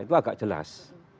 itu agak jelas